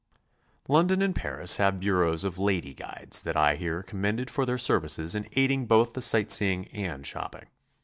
London and Paris have bureaus of "lady" guides that I hear commended for their services in aiding both sight i8o GOING ABROAD? •seeing and shopping.